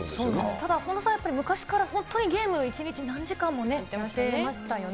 ただ本田さん、昔から、本当にゲーム、１日何時間もやってましたよね。